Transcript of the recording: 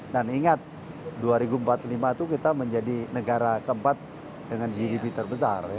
dan ingat dua ribu empat puluh lima itu kita menjadi negara keempat dengan gdp terbesar